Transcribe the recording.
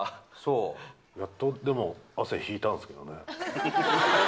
でも、やっと汗引いたんですけどね。